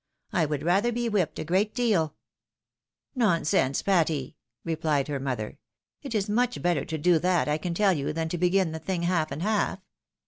I would rather be whipped a great deal." " Nonsense, Patty !" replied her mother. " It is much better to do that, I can tell you, than to begin the thing half and half.